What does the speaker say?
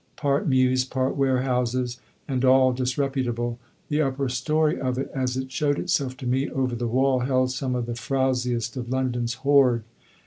Part mews, part warehouses, and all disreputable, the upper story of it, as it showed itself to me over the wall, held some of the frowsiest of London's horde.